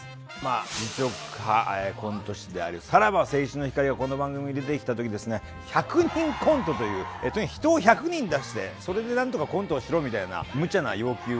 実力派コント師であるさらば青春の光がこの番組に出てきた時ですね１００人コントというとにかく人を１００人出してそれでなんとかコントをしろみたいなむちゃな要求を出してきたんですね。